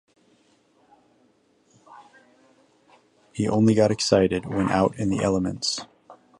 He only got excited when out in the elements.